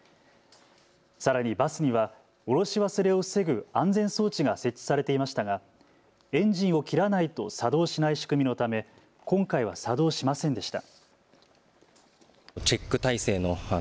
さらにバスには降ろし忘れを防ぐ安全装置が設置されていましたがエンジンを切らないと作動しない仕組みのため今回は作動しませんでした。